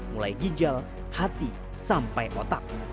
mulai ginjal hati sampai otak